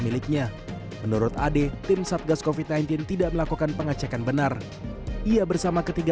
miliknya menurut ade tim satgas kofit sembilan belas tidak melakukan pengecekan benar ia bersama ketiga